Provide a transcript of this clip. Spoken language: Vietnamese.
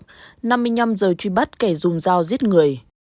năm mươi năm giờ truy bắt kẻ dùng dao giết người